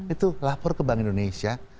itu lapor ke bank indonesia